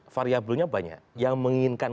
variabelnya banyak yang menginginkan